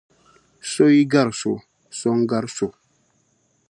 So yi gari so, so n-gari so.